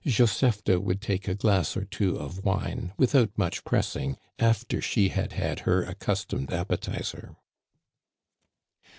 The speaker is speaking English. Josephte would take a glass or two of wine without much pressing after she had had her accus tomed appetizer.